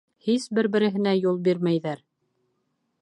Һис бер-береһенә юл бирмәйҙәр.